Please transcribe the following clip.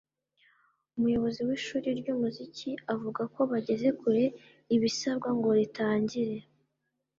Umuyobozi w’ishuli ry’umuziki avuga ko bageze kure ibisabwa ngo ritangire